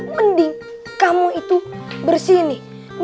mending kamu itu bersih